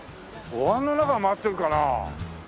おわんの中が回ってるかな？